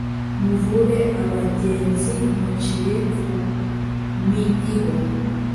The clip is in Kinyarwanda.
muvure abenzi mbaciye ku midiho